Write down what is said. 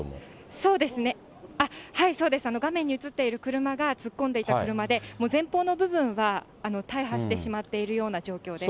そうですね、はい、そうです、画面に映っている車が突っ込んでいった車で、前方の部分は大破してしまっているような状況です。